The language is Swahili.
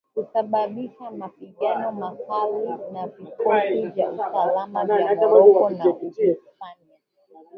kusababisha mapigano makali na vikosi vya usalama vya Morocco na Uhispania